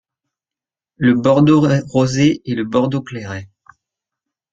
Le bordeaux rosé et le bordeaux-clairet.